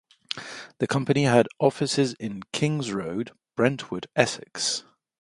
The company had offices in Kings Road, Brentwood, Essex.